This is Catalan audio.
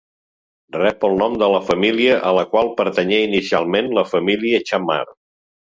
Rep el nom de la família a la qual pertanyé inicialment, la família Xammar.